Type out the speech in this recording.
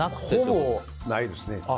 ほぼないですね。